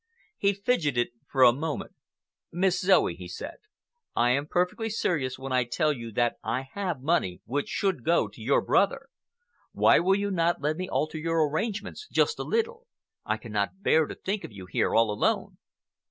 He fidgeted for a moment. "Miss Zoe," he said, "I am perfectly serious when I tell you that I have money which should go to your brother. Why will you not let me alter your arrangements just a little? I cannot bear to think of you here all alone."